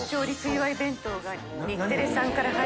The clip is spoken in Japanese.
日テレさんから入って。